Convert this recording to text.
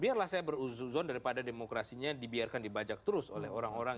biar lah saya beruzon daripada demokrasinya dibiarkan dibajak terus oleh orang orang